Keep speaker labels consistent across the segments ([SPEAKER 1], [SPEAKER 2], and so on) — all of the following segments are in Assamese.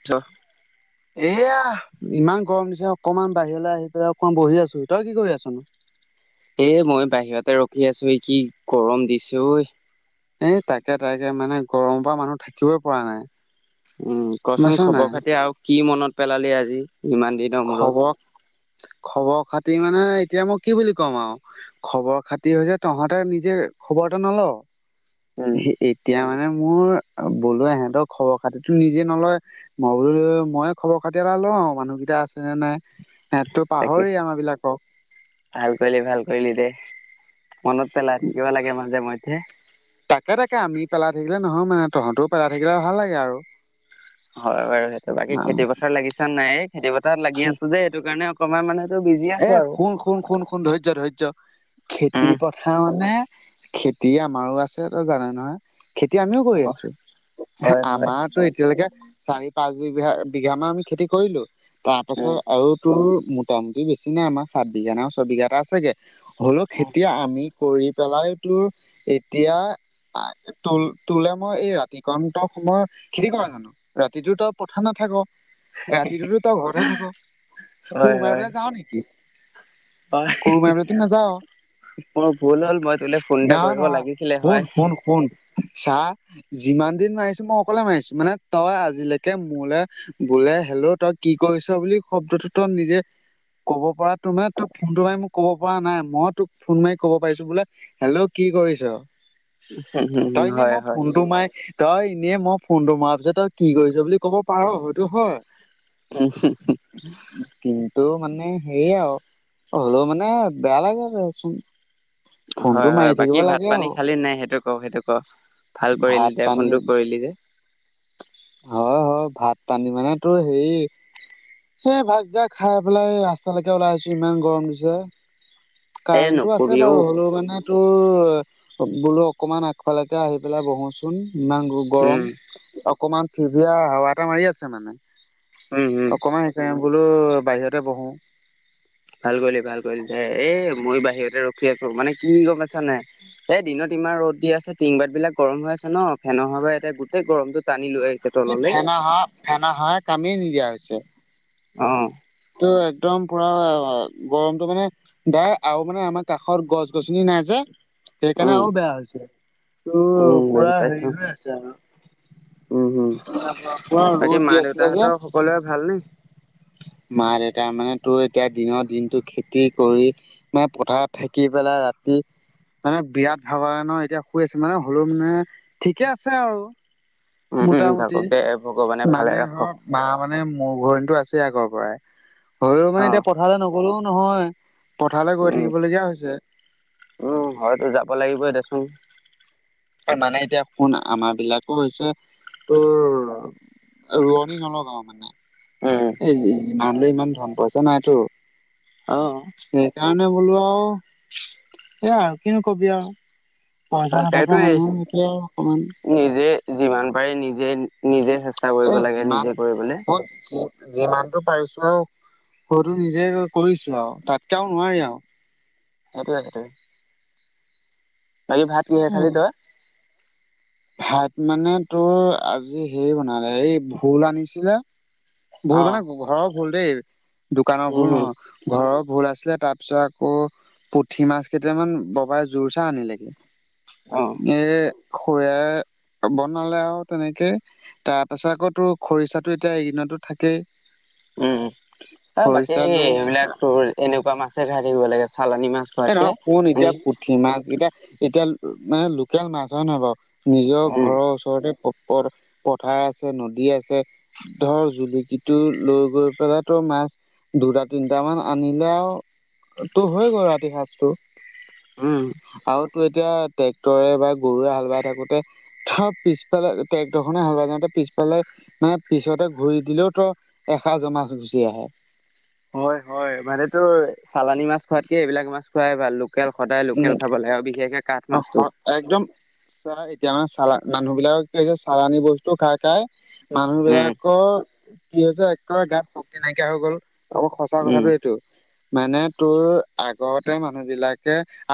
[SPEAKER 1] [unintelligible]
[SPEAKER 2] [inaudible] এয়া, ইমান গৰম দিছে। অলপমান বাহিৰলৈ আহি পেলাই, অলপমান বহি আছো। তই কি কৰি আছনো?
[SPEAKER 1] এ, মইও বাহিৰতে ৰখি আছোঁ। এই কি গৰম দিছে ঐ।
[SPEAKER 2] এ, তাকে তাকে মানে, গৰমৰ পৰা মানুহ থাকিবই পৰা নাই।
[SPEAKER 1] উম,
[SPEAKER 2] গম
[SPEAKER 1] কচোন
[SPEAKER 2] পাইছ নাই
[SPEAKER 1] খবৰ-খাতি। আৰু কি মনত পেলালি আজি ইমান দিনৰ মূৰত?
[SPEAKER 2] খবৰ খবৰ খাতি মানে এতিয়া মই কি বুলি কম আৰু। খবৰ খাতি হৈছে, তহঁতে নিজে খবৰ এটা ন'লও।
[SPEAKER 1] উম
[SPEAKER 2] এতিয়া মানে মোৰ বোলো, ইহঁতৰ খবৰ-খাতিটো নিজে নলয়। মই বোলো, মইয়ে খবৰ-খাতি এটা লওঁ আৰু মানুহ কেইটা আছে নে নাই, সেহঁতটো
[SPEAKER 1] তাকে
[SPEAKER 2] পাহৰেই আমাৰ বিলাকক।
[SPEAKER 1] ভাল কৰিলি, ভাল কৰিলি দে। মনত পেলাই থাকিব লাগে মাজে মধ্যে।
[SPEAKER 2] তাকে তাকে, আমি পেলাই থাকিলে নহয় মানে, তহঁতেও পেলাই থাকিলে ভাল লাগে আৰু।
[SPEAKER 1] হয় বাৰু, সেইটো। বাকী খেতি-পথাৰত লাগিছ নাই, এ খেতি-পথাৰত লাগি আছোঁ যে সেইটো কাৰণে অকণমান মানে তোৰ বিজি আছো
[SPEAKER 2] এ,
[SPEAKER 1] আৰু
[SPEAKER 2] শুন শুন শুন শুন। ধৈৰ্য্য, ধৈৰ্য্য,
[SPEAKER 1] উম
[SPEAKER 2] খেতি-পথ মানে, খেতি আমাৰো আছে তই জান নহয়, খেতি আমিও কৈ আছো।
[SPEAKER 1] হয় হয়
[SPEAKER 2] আমাৰ এতিয়ালৈকে চাৰি-পাঁচ বিঘা মান আমি খেতি কৰিলোঁ। তাৰ পাছত
[SPEAKER 1] উম
[SPEAKER 2] আৰু তোৰ মোটামুটি বেছি নাই। আমাৰ সাত বিঘা নে ছয় বিঘা এটা আছে গে, হ'লেও
[SPEAKER 1] উম
[SPEAKER 2] খেতি আমি কৰি পেলাই তোৰ এতিয়া তোল, তোলেই মই এই ৰাতি [unintelligible] সময় খেতি কৰ জানো। ৰাতিটো তই পথাৰত নাথাক, ৰাতিটোতো তই ঘৰতহে থাক। কোৰ
[SPEAKER 1] হয় হয়
[SPEAKER 2] মাৰিবলে নেকি,
[SPEAKER 1] হয়
[SPEAKER 2] কোৰ মাৰিবলৈটো নাযাৱ।
[SPEAKER 1] মোৰ ভুল হ'ল, মই তোলে ফোন এটা কৰিব লাগিছিলে হয়।
[SPEAKER 2] চাহ যিমান দিন মাৰিছোঁ, মই অকলে মাৰিছোঁ মানে, তই আজিলৈকে মোলে বোলে, হেল্ল' তই কি কৰিছ বুলি শব্দটো তই নিজে ক'ব পৰা তো, মানে তোক ফোনটো মাৰি মোক ক'ব পৰা নাই। মই তোক ফোন মাৰি ক'ব পাৰিছোঁ বোলে হেল্ল', কি কৰিছ তই এনে
[SPEAKER 1] হয়
[SPEAKER 2] মই
[SPEAKER 1] হয়
[SPEAKER 2] ফোনটো মাৰ তই এনেই, মই ফোনটো মৰাৰ পিছত তই কি কৰিছ বুলি ক'ব পাৰ হয়তো হয়।
[SPEAKER 1] [unintelligible]
[SPEAKER 2] কিন্তু মানে হেৰি আৰু হ'লেও মানে বেয়া লাগে আৰু দেচোন। ফোনটো
[SPEAKER 1] হয় হয়
[SPEAKER 2] মাৰি থাকিব
[SPEAKER 1] বাকী ভাত
[SPEAKER 2] লাগে
[SPEAKER 1] পানী
[SPEAKER 2] আৰু
[SPEAKER 1] খালি নাই সেইটো ক সেইটো ক, ভাল কৰিলি
[SPEAKER 2] ভাত
[SPEAKER 1] দে,
[SPEAKER 2] পানী
[SPEAKER 1] ফোনটো কৰিলি যে।
[SPEAKER 2] হয় হয় ভাত পানী মানে তো হেৰি সেই ভাত কিতা খাই পেলাই ৰাস্তালৈকে ওলাই আহিছোঁ ইমান গৰম দিছে।
[SPEAKER 1] এ
[SPEAKER 2] কাৰেণ্টটো আছে
[SPEAKER 1] নকবি অ
[SPEAKER 2] বাৰু হ'লেও মানে তোৰ বোলো অকমান আগফালেকে আহি পেলাই বহোচোন, ইমান
[SPEAKER 1] উম
[SPEAKER 2] গৰম। অকণমান ফিৰফিৰিয়া হাৱা এটা মাৰি আছে মানে।
[SPEAKER 1] উম্ হুম।
[SPEAKER 2] অকমান সেইকাৰণে বোলো, বাহিৰতে বহো।
[SPEAKER 1] ভাল কৰিলি ভাল কৰিলি দে, এ মই বাহিৰতে ৰখি আছো মানে কি গম পাইছ নাই। এ দিনত ইমান ৰ'দ দি আছে টিনপাত বিলাক গৰম হৈ আছে ন, ফেনৰ হাৱা এতে গোটেই গৰমটোত
[SPEAKER 2] এই, ফেন হাৱা ফেন হাৱা এ, কামে নিদিয়া হৈছে।
[SPEAKER 1] অ'
[SPEAKER 2] তো একদম পুৰা গৰমটো মানে, দা আৰু মানে আমাৰ কাষৰ গছ গছনি নাই যে। সেইকাৰণে
[SPEAKER 1] উম
[SPEAKER 2] আৰু বেয়া হৈছে তোৰ
[SPEAKER 1] উম বুজি
[SPEAKER 2] পুৰা
[SPEAKER 1] পাইছো
[SPEAKER 2] হেৰি হৈ আছে আৰু।
[SPEAKER 1] উম হম
[SPEAKER 2] ৰদ দি আছিলে যে।
[SPEAKER 1] ক'লে ভালনি?
[SPEAKER 2] মা দেউতা মানে তোৰ এতিয়া দিনৰ দিনতটো খেতি কৰি, ম পথাৰত থাকি পেলাই ৰাতি। মানে বিৰাট ভাব লাগে ন এতিয়া শুই আছো মানে হলেও মানে ঠিকে আছে আৰু।
[SPEAKER 1] উম উম
[SPEAKER 2] মোটামুটি
[SPEAKER 1] থাকক দে ভগৱানে ভালে
[SPEAKER 2] মানে
[SPEAKER 1] ৰাখক
[SPEAKER 2] ধৰক, মা মানে মোৰ ঘৰিণতো আছে আগৰ পৰাই হও
[SPEAKER 1] অ
[SPEAKER 2] মানে এতিয়া পথাৰলৈ নগলেও নহয়। পথাৰলৈ গৈ
[SPEAKER 1] উম
[SPEAKER 2] থাকিব লগগীয়া হৈছে।
[SPEAKER 1] উম, হয়তো যাব লাগিবই দেচোন।
[SPEAKER 2] মানে এতিয়া শুন আমাৰ বিলাকো হৈছে তোৰ, ৰোৱনী নলগাও মানে
[SPEAKER 1] উম
[SPEAKER 2] এই ইমান লৈ ইমান ধন পইচা নাইতো।
[SPEAKER 1] অ,
[SPEAKER 2] সেইকাৰণে বোলো আৰু। সেয়া আৰু কিনো কবি আৰু পইচা নথকা
[SPEAKER 1] সেইটোৱেই
[SPEAKER 2] মানুহৰ এটোয়া আৰু অকমান,
[SPEAKER 1] নিজে যিমান পাৰি নিজে নিজে চেষ্টা কৰিব লাগে নিজে কৰিবলে।
[SPEAKER 2] যিমানতটো পাৰিছো আৰু সতো নিজে কৰিছো আৰু তাতকেও নোৱাৰি আৰু।
[SPEAKER 1] সেইটোৱে-সেইটোৱে। বাকী ভাত কিহে খালি
[SPEAKER 2] উম
[SPEAKER 1] তই?
[SPEAKER 2] ভাত মানে তোৰ আজি হেৰি বনালে এই ভোল আনিছিলে। ভোল
[SPEAKER 1] অ
[SPEAKER 2] মানে ঘৰৰ ভোল দেই দোকানৰ ভোল
[SPEAKER 1] উম হম
[SPEAKER 2] নহয়। ঘৰৰ ভোল আছিলে তাৰ পিছত আকৌ। পুঠি মাছ কেইটামান ববাই জোৰ চা আনিলেগে।
[SPEAKER 1] অ,
[SPEAKER 2] এই খয়া বনালে আৰু তেনেকে। তাৰ পাছত আকৌ তো খৰিচাতো এতিয়া এইদিনতো থাকেই।
[SPEAKER 1] উম, বাকী
[SPEAKER 2] খৰিচা লৈ
[SPEAKER 1] এইবিলাক তোৰ এনেকুৱা মাছে খাই থাকিব লাগে। চালানী মাছ
[SPEAKER 2] এ নহয়
[SPEAKER 1] খোৱাতকে
[SPEAKER 2] শুন এতিয়া
[SPEAKER 1] মানে
[SPEAKER 2] পুঠি মাছ এতিয়া এতিয়া মানে লোকেল মাছ হয় নহয় বাৰু নিজৰ
[SPEAKER 1] উম
[SPEAKER 2] ঘৰৰ। ওচৰতে পথাৰ আছে, নদী আছে। ধৰ জুলুকিটো লৈ গৈ পেলাই ত মাছ। দুটা তিনটামান আনিলে আৰু তটো হৈ গ'ল ৰাতি সাঁজটো।
[SPEAKER 1] উম,
[SPEAKER 2] আৰু তো এতিয়া ট্ৰেক্টৰে বা গৰুৱে হাল বাই থাকোতে। পিছফালে ট্ৰেক্টৰখনে হাল বায় ঠাকুতে পিছফালে, মানে পিছতে ঘূৰি দিলেও তো এসাঁ জ মাছ গুচি আহে।
[SPEAKER 1] হয়-হয় মানে তো চালানী মাছ খোৱাতকে এইবিলাক মাছ খোৱাই ভাল। লোকেল সদায়
[SPEAKER 2] উম
[SPEAKER 1] লোকেল খাব লাগে আৰু বিশেষকে কাঠ
[SPEAKER 2] অ
[SPEAKER 1] মাছটো।
[SPEAKER 2] হ- একদম চাহ এতিয়া মানে চাল মানুহ বিলাকে কি হৈছে চালানী বস্তু খাই-খাই।
[SPEAKER 1] উম
[SPEAKER 2] মানুহবিলাকৰ কি হৈছে একাৰে গাত শক্তি নাইকিয়া হৈ গ'ল। অকলৌ সঁচা
[SPEAKER 1] উম
[SPEAKER 2] কথাটো এইটো মানে তোৰ আগতে মানুহবিলাক,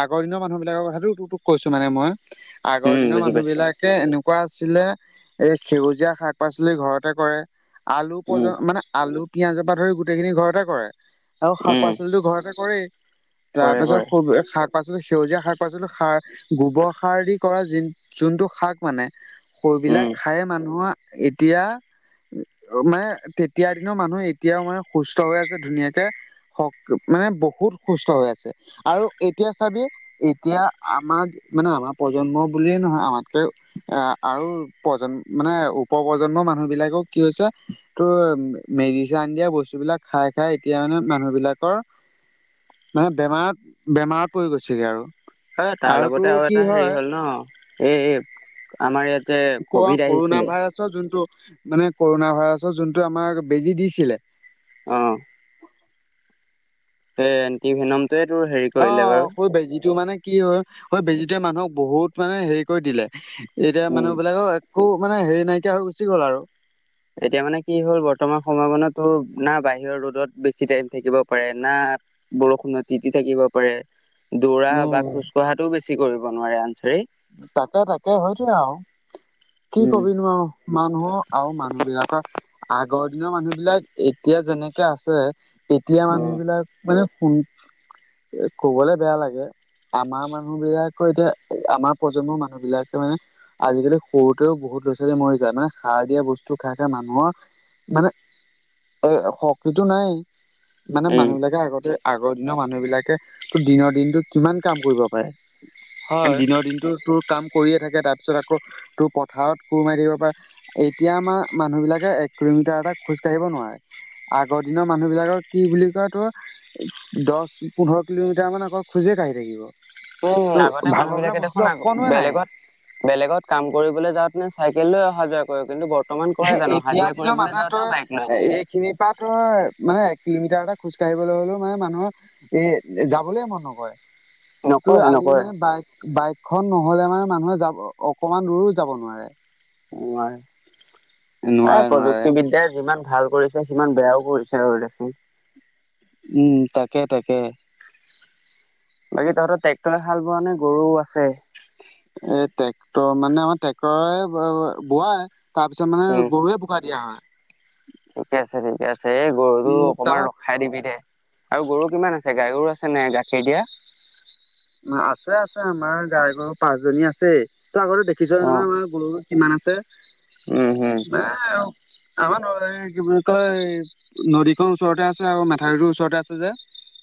[SPEAKER 2] আগৰ দিনৰ মানুহ বিলাকৰ কথাত টু টুক কৈছো মানে মই আগৰ
[SPEAKER 1] উম
[SPEAKER 2] দিনৰ
[SPEAKER 1] বুজি
[SPEAKER 2] মানুহ
[SPEAKER 1] পাইছো
[SPEAKER 2] বিলাক, এনেকুৱা আছিলে এই সেউজীয়া শাক পাচলি ঘৰতে কৰে। আলু
[SPEAKER 1] উম
[SPEAKER 2] প্ৰ মানে আলু পিয়য়াজৰ পৰা ধৰি গোটেইখিনি ঘৰতে কৰে। আৰু শাক
[SPEAKER 1] উম
[SPEAKER 2] পাচলিটো ঘৰতে কৰেই
[SPEAKER 1] কৰে কৰে
[SPEAKER 2] তাৰপিছত শাক পাচলো সেউজীয়া শাক পাচলো সাৰ। গোবৰ সাৰ দি কৰা য যোনটো শাক মানে
[SPEAKER 1] উম
[SPEAKER 2] সেইবিলাক খায় মানুহৰ, এতিয়া মানে তেতিয়াৰ দিনৰ মানুহ এতিয়াও মানে সুস্থ হৈ আছে ধুনীয়াকে। মানে বহুত সুস্থ হৈ আছে আৰু এতিয়া চাবি এতিয়া আমাৰ মানে আমাৰ প্ৰজন্ম বুলিয়ে নহয় আমাতকে এ আৰু প্ৰজন্ম মানে উপ প্ৰজন্মৰ মানুহ বিলাকেও কি হৈছে তোৰ মেডিচাইন দিয়া বস্তুবিলাক খাই খাই এতিয়া মানে মানুহবিলাকৰ মানে বেমাৰত বেমাৰত পৰি গৈছেগে আৰু।
[SPEAKER 1] হয় তাৰ লগতে
[SPEAKER 2] তোৰ
[SPEAKER 1] আৰু
[SPEAKER 2] কি
[SPEAKER 1] এটা হেৰি
[SPEAKER 2] হয়
[SPEAKER 1] হ'ল ন এই এই আমাৰ ইয়াত যে কভিড আহিছিলে
[SPEAKER 2] চ যোনটো মানে কৰোনা ভাইৰাছৰ যোনটো আমাক বেজি দিছিলে
[SPEAKER 1] অ। সেই এণ্টি ভেনমটোয়ে তোৰ হেৰি
[SPEAKER 2] অ
[SPEAKER 1] কৰিলে বাৰু
[SPEAKER 2] সই বেজিটো মানে কি হয় সই বেজীটোৱে মানুহক বহুত মানে হেৰি কৰি দিলে এতিয়া
[SPEAKER 1] উম
[SPEAKER 2] মানুহবিলাকৰ একো মানে হেৰি নাইকিয়া হৈ গুচি গ'ল আৰু।
[SPEAKER 1] এতিয়া মানে কি হ'ল বৰ্তমান সময়ত মানে তোৰ না বাহিৰৰ ৰ'দত বেছি টাইম থাকিব পাৰে, না বৰষুণত তিতি থাকিব পাৰে। দৌৰা বা
[SPEAKER 2] উম
[SPEAKER 1] খোজকঢ়াটোও বেছি কৰিব নোৱাৰে আনচাৰি।
[SPEAKER 2] তাকে তাকে হৈছেই আও কি
[SPEAKER 1] উম
[SPEAKER 2] কবিনো আও। মানুহৰকআৰু মানুহবিলাকৰ আগৰ দিনৰ মানুহবিলাক এতিয়া যেনেকে আছে এতিয়া মানুহবিলাক মানে শুন ক'বলে বেয়া লাগে আমাৰ মানুহবিলাকৰ এতিয়া আমাৰ প্ৰজন্মৰ মানুহবিলাকে মানে আজিকালি সৰুতেও বহুত ল'ৰা-ছোৱালী মৰি যায় মানে সাৰ দিয়া বস্তু খাই খাই মানুহৰ মানে এই শক্তিটো নাইয়েই। মানে
[SPEAKER 1] উম
[SPEAKER 2] মানুহবিলাকে আগতে আগৰ দিনৰ মানুহ মানুহবিলাকে তোৰ দিনৰ দিনটোত কিমান কাম কৰিব পাৰে
[SPEAKER 1] হয়
[SPEAKER 2] দিনৰ দিনটো তোৰ কাম কৰিয়ে থাকে তাৰপিছত আকৌ তোৰ পথাৰত কোৰ মাৰি থাকিব পাৰে। এতিয়া আমাৰ মানুহবিলাকে এক কিলোমিটাৰ এটা খোজ কাঢ়িব নোৱাৰে। আগৰ দিনৰ মানুহবিলাকক কি বুলি কয় তোৰ দচ পোন্ধৰ কিলোমিটাৰ মান অকল খোজেই কঢ়ি থাকিব।
[SPEAKER 1] উম
[SPEAKER 2] তো
[SPEAKER 1] আগতে
[SPEAKER 2] ভাগৰ বোলা
[SPEAKER 1] মানুহবিলাকে
[SPEAKER 2] বস্তুটো
[SPEAKER 1] দেখোন আগ
[SPEAKER 2] অকণোৱে নাই
[SPEAKER 1] বেলেগত বেলেগত কাম কৰিবলে যাওঁতেনে চাইকেল লৈ অহা যোৱা কৰ কিন্তু ব ৰ্তমান কৰে জানো হাজিৰা কৰিবলৈ যাওঁতেও বাইক লৈ যায়।
[SPEAKER 2] খিনি পা তই মানে এক কিলোমিটাৰ এটা খোজ কাঢ়িবলৈ হ'লেও মানে মানুহৰ এ যাবলে মন নকৰে তোৰ
[SPEAKER 1] নকৰে
[SPEAKER 2] আজি
[SPEAKER 1] নকৰে
[SPEAKER 2] মানে বাইক বাইক খন নহ'লে মানে মানুহে যাব অকমান দূৰো যাব নোৱাৰে।
[SPEAKER 1] নোৱাৰে
[SPEAKER 2] নোৱাৰে
[SPEAKER 1] এই
[SPEAKER 2] নোৱাৰে
[SPEAKER 1] প্ৰযুক্তিবিদ্যাই যিমান ভাল কৰিছে সিমান বেয়াও কৰিছে হয় দেচোন।
[SPEAKER 2] উম তাকে তাকে।
[SPEAKER 1] বাকী তহতৰ ট্ৰেক্টৰে হাল বোৱা নে গৰুও আছে?
[SPEAKER 2] এ ট্ৰেক্টৰ মানে আমাৰ ট্ৰেক্টৰে বোৱাই তাৰপিছত মানে
[SPEAKER 1] উম
[SPEAKER 2] গৰুৱে বোকা দিয়া হয়।
[SPEAKER 1] ঠিকে আছে ঠিকে আছে এই
[SPEAKER 2] মোৰ হিচাপত
[SPEAKER 1] খাই দিবি দে। আৰু গৰু কিমান আছে গাই গৰু আছে নে গাখীৰ দিয়া?
[SPEAKER 2] আছে আছে আমাৰ গাই গৰু পাঁচজনী আছেই তই আগতে দেখিছই
[SPEAKER 1] অ
[SPEAKER 2] নহয় আমাৰ গৰু কিমান আছে
[SPEAKER 1] উম হম
[SPEAKER 2] বা আমাৰ কি বুলি কয় নদীখন ওচৰতে আছে আৰু মেথাউৰিটো ওচৰতে আছে যে।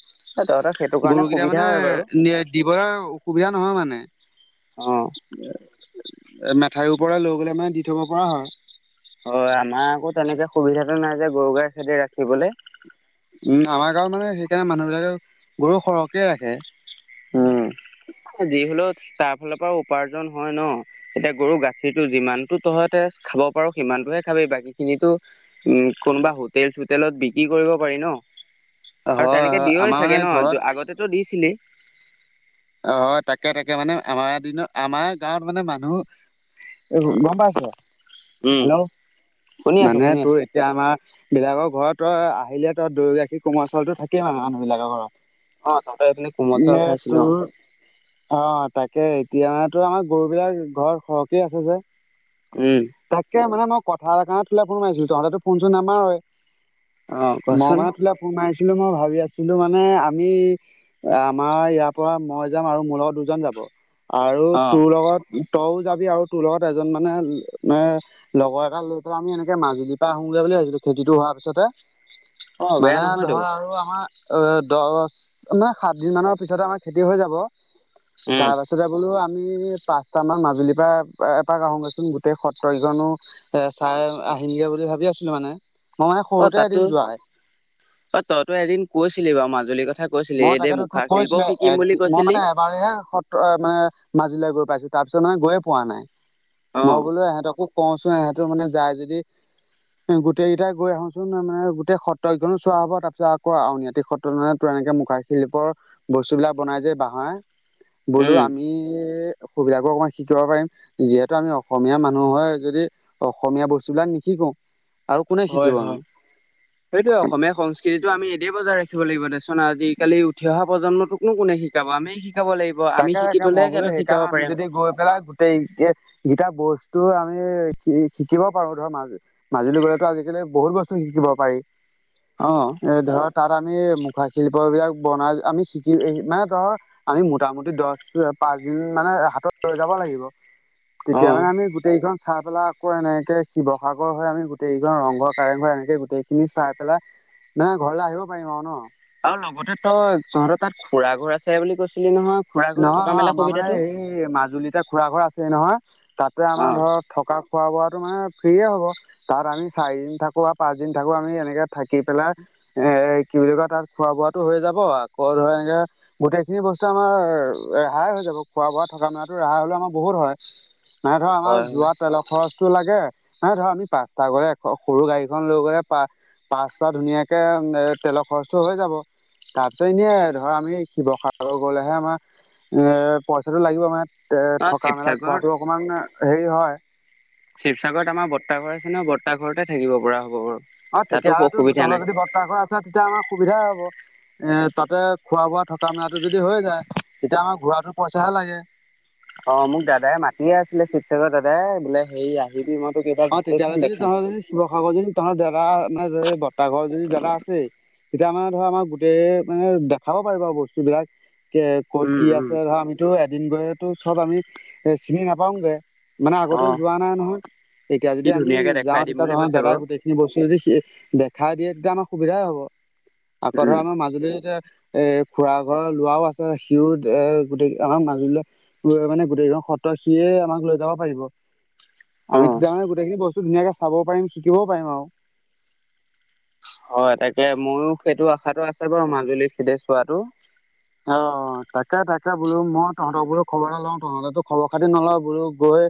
[SPEAKER 1] এ তহঁতৰ সেইটো কাৰণে সুবিধা হয় বাৰু।
[SPEAKER 2] দিবলে অসুবিধা নহয় মানে।
[SPEAKER 1] অ।
[SPEAKER 2] এ মেঠাউৰি ওপৰে লৈ গ'লে মানে দি থব পৰা হয়।
[SPEAKER 1] হয় আমাৰ আকৌ তেনেকে সুবিধাটো নাই যে গৰু-গাই সেদে ৰাখিবলে।
[SPEAKER 2] উম, আমাৰ গাঁওত মানে সেইকাৰণে মানুহবিলাকে গৰু সৰহকে ৰাখে।
[SPEAKER 1] উম যি হলেও তাৰ ফালৰ পৰা উপাৰ্জন হয়, ন'? এতিয়া গৰু গাখীৰটো যিমানতো তহঁতে খাব পাৰো সিমানটোহে খাবি বাকী খিনিতো উম, কোনোবা হোটেল-চোটেলত বিক্ৰী কৰিব পাৰি ন'?
[SPEAKER 2] হয়
[SPEAKER 1] আৰু
[SPEAKER 2] হয়
[SPEAKER 1] তেনেকে দিয়ে
[SPEAKER 2] আমাৰ মানে
[SPEAKER 1] চাগে
[SPEAKER 2] ঘৰত
[SPEAKER 1] ন' আগতেতো দিছিলি?
[SPEAKER 2] অ', তাকে তাকে মানে আমাৰ দিনত আমাৰ গাঁৱত মানে মানুহ এই গ'ম পাইছ
[SPEAKER 1] উম
[SPEAKER 2] হেল্ল'
[SPEAKER 1] শুনি আছো
[SPEAKER 2] মানে
[SPEAKER 1] শুনি
[SPEAKER 2] তোৰ
[SPEAKER 1] আছো
[SPEAKER 2] এতিয়া আমাৰ বিলাকৰ ঘৰত তই আহিলে তই দৈ গাখীৰ কোমল চাউলতো থাকেই মানে মানুহ বিলাকৰ ঘৰত।
[SPEAKER 1] অ তহঁতৰ এইপিনে কোমল চাউল
[SPEAKER 2] নে তোৰ
[SPEAKER 1] খাইছিলো অ
[SPEAKER 2] অ', তাকে এতিয়াএনে তোৰ আমাৰ গৰু বিলাক ঘৰত সৰহকে আছে যে।
[SPEAKER 1] উম।
[SPEAKER 2] তাকে মানে মই কথা এটা কাৰণে তোলে ফোন মাৰিছিলো, তহঁতেতো ফোন-চোন নামাৰই।
[SPEAKER 1] অ
[SPEAKER 2] মই
[SPEAKER 1] কোৱাচোন
[SPEAKER 2] মানে তোলে মাৰিছিলো মই ভাবি আছিলো মানে আমি আমাৰ ইয়াৰ পৰা মই যাম আৰু মোৰ লগত দুজন যাব, আৰু
[SPEAKER 1] অ
[SPEAKER 2] তোৰ লগত তইও যাবি আৰু তোৰ লগত এজন মানে মে লগৰ এটাল লৈ পেলাই আমি এনেকে মাজুলীৰ পৰা আহোগৈ বুলি ভাবছিলো, খেতিটো হোৱাৰ পিছতে।
[SPEAKER 1] অ বেয়া
[SPEAKER 2] মানে
[SPEAKER 1] নহয়তো
[SPEAKER 2] ধৰ আৰু আমাৰ অ', দহ মানে সাত দিন মানৰ পিছত আমাৰ খেতি হৈ যাব,
[SPEAKER 1] উম
[SPEAKER 2] তাৰ পাছত তাৰপছতে বোলো আমি পাঁচটামান মাজুলীৰ পৰা এপাক আহোঁগৈচোন গোটেই সত্ৰকেখনো এ চাই আহিমগে বুলি ভাবি আছিলো মানে। মই মানে
[SPEAKER 1] অ',
[SPEAKER 2] সৰুতে
[SPEAKER 1] তাতো
[SPEAKER 2] এদিন যোৱাই
[SPEAKER 1] অ', তইতো এদিন কৈছিলি বাৰু মাজুলীৰ কথা। কৈছিলি
[SPEAKER 2] মই
[SPEAKER 1] এই দে মুখাৰ শিল্পও শিকিম বুলি কৈছিলি।
[SPEAKER 2] বাৰেহে সত্ৰ মানে মাজুলিলৈ গৈ পাইছোঁ তাৰ পিছত মানে গৈয়ে পোৱা নাই।
[SPEAKER 1] অ
[SPEAKER 2] মই বোলো ইহঁতকো কওঁচোন ইহঁতৰ মানে যাই যদি। গোটেইকেইটাই গৈ আহোচোন মানে গোটেই সত্ৰ কেখনো চোৱা হ'ব তাৰ পিছ আকৌ আউনআতি সত্ৰ মানে তোৰ এনেকে মুখা শিল্পৰ বস্তুবিলাক বনাই, যে বাঁহৰে বোলো
[SPEAKER 1] উম
[SPEAKER 2] আমি সুবিধাকো অকণমান শিকিব পাৰিম যিহেতু, আমি অসমীয়া মানুহৰ যদি অসমীয়া বস্তুবলাক নিশিকোঁ।
[SPEAKER 1] হয়, হয়, সেইটোয়ে অসমীয়া সং স্কৃতিটো আমি এদেই বজাই ৰাখিব লাগিব দেচোন আজিকালি উঠি অহা প্ৰজন্মটোকনো কোনে শিকাব, আমিয়ে শিকাব লাগিব। আমি
[SPEAKER 2] তাকে
[SPEAKER 1] শিকি
[SPEAKER 2] তাকে
[SPEAKER 1] থলে
[SPEAKER 2] মই বোলো
[SPEAKER 1] সিহঁতক শিকাব
[SPEAKER 2] সেইকাৰণে আমি
[SPEAKER 1] পাৰিম
[SPEAKER 2] যদি গৈ পেলাই গোটেই গিটা বস্তু আমি শিকিব পাৰো ধৰ মাজ মাজুলী গ'লেতো আজিকালি বহুত বস্তু শিকিব পাৰি।
[SPEAKER 1] অ'।
[SPEAKER 2] এ ধৰ তাত আমি মুখাশিল্প বিলাক বনাই, আমি শিকি মানে ধৰ আমি মোটামুটি দহ পাঁচ দিন মানে হাতত লৈ যাব লাগিব।
[SPEAKER 1] অ
[SPEAKER 2] তেতিয়া মানে আমি গোটেই কেইখন চাই পেলাই আকৌ এনেকে শিৱসাগৰ হৈ আমি গোটেইকেইখন ৰংঘৰ কাৰেংঘৰ এনেকে গোটেইখিনি চাই পেলাই মানে ঘৰলে আহিব পাৰিম আৰু ন'?
[SPEAKER 1] আৰু লগতে তই তহঁতৰ তাত খুৰা ঘৰ আছে বুলি কৈছিলি ন'হয়। খুৰা ঘৰত
[SPEAKER 2] নহয়,
[SPEAKER 1] থকা
[SPEAKER 2] নহয়,
[SPEAKER 1] মেলা
[SPEAKER 2] আমাৰ মানে
[SPEAKER 1] সুবিধাটো
[SPEAKER 2] সেই মাজুলীতে খুৰা ঘৰ আছে নহয়, তাতে
[SPEAKER 1] অ
[SPEAKER 2] আমাৰ ধৰ থকা খোৱা বোৱাটো মানে ফ্ৰীয়ে হ'ব। তাত আমি চাৰিদিন থাকো বা পাঁচদিন থাকো আমি এনেকে থাকি পেলাই এ কি বুলি কয় তাত খোৱা বোৱাাতো হৈ যাব, আকৌ ধৰ এনেকে গোটেই খিনি বস্তু আমাৰ ৰেহাই হৈ যাব, খোৱা-বোৱা থকা-মেলাত ৰেহাই হ'লে আমাৰ বহুত হয়। মানে ধৰ আমাৰ
[SPEAKER 1] হয়
[SPEAKER 2] যোৱা
[SPEAKER 1] হয়
[SPEAKER 2] তেলৰ খৰচ টো লাগে মানে ধৰ আমি পাঁচটা গ'লে সৰু গাড়ীখন লৈ গ'লে পা পাঁচটা ধুনীয়াকে তেলৰ খৰচটো হৈ যাব। তাৰপিছত এনেই ধৰ আমি শিৱসাগৰ গ'লেহে আমাৰ এ পইচাটো লাগিব মানে এ
[SPEAKER 1] অ
[SPEAKER 2] থকা মেলা
[SPEAKER 1] শিৱসাগৰত
[SPEAKER 2] খোৱাতটো অকমান হেৰি হয়।
[SPEAKER 1] শিৱসাগৰত আমাৰ বৰ্তাঘৰ আছে ন বৰ্তাহ ঘৰতে থাকিব পৰা হ'ব বাৰু।
[SPEAKER 2] অ,
[SPEAKER 1] তাতো
[SPEAKER 2] তেতিয়া হয়লেতো
[SPEAKER 1] অসুবিধা
[SPEAKER 2] তহঁত
[SPEAKER 1] নাই
[SPEAKER 2] যদি বৰ্তাঘৰ আছে তেতিয়া আমাৰ সুবিধাই হ'ব। এ তাতে খোৱা বোৱা থকা মেলাটো যদি হৈ যায় তেতিয়া আমাৰ ঘূৰাতো পইচাহে লাগে।
[SPEAKER 1] অ, মোক দাদাই মাতিয়ে আছিলে শিৱসাগৰত দাদাই বোলে হেৰি আহিবি মই। তোক এইবাৰ
[SPEAKER 2] অ,
[SPEAKER 1] গোটেইখন
[SPEAKER 2] তেতিয়াহ'লে যদি
[SPEAKER 1] দেখাম
[SPEAKER 2] তহৰ যদি শিৱসাগৰ যদি তঁৰ দাদা মানে বৰ্তাহ ঘৰ যদি দাদা আছে। তেতিয়া মানে ধৰ আমাৰ গোটেই মানে দেখাব পাৰি আৰু বস্তু বিলাক এ ক'ত
[SPEAKER 1] উম
[SPEAKER 2] কি
[SPEAKER 1] উম
[SPEAKER 2] আছে। ধৰ আমিতো এদিন গয়তো চব আমি এ চিনি নাপাওগে মানে
[SPEAKER 1] অ
[SPEAKER 2] আগতেও যোৱা নাই নহয়। এতিয়া
[SPEAKER 1] সি
[SPEAKER 2] যদি আমি
[SPEAKER 1] ধুনীয়াকে দেখাই
[SPEAKER 2] যাওঁ
[SPEAKER 1] দিম
[SPEAKER 2] তেতিয়া
[SPEAKER 1] বুলি
[SPEAKER 2] ধৰ
[SPEAKER 1] কৈছে
[SPEAKER 2] দাদাই
[SPEAKER 1] বাৰু
[SPEAKER 2] গোটেই। বস্তু যদি দেখাই দিয়ে তেতিয়া আমাৰ সুবিধাই হব আকৌ
[SPEAKER 1] উম
[SPEAKER 2] ধৰা আমাৰ মাজুলীতিয়া। এৰ খুৰা ঘৰৰ লৰাও আছে সিও এ গোটেই আমাক মাজুলীলে। লৈ মানে গোটেইখন সত্ৰ সিয়ে আমাক লৈ যাব পাৰিব।
[SPEAKER 1] অ
[SPEAKER 2] আমি তেতিয়া মানে গোটেইন বস্তুনাকে চাব পাৰিম শিকিব পাৰিম আৰু।
[SPEAKER 1] হয়, তাকে ময়ো সেইটো আশাতো আছে বাৰু মাজুলী খেদ চোৱাতটো।
[SPEAKER 2] অ, তাকে-তাকে বোলো মই তহঁতক বোলো খবৰ এটা লওঁ তহঁতে খবৰ খাতি নলওঁ বোলো গৈ।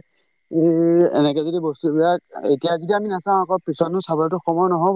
[SPEAKER 2] এ এনেকে যদি বস্তু বিলাক এতিয়া যদি আমি নাচাও আকৌ পিছতনো চাবতো সময় নহ'ব।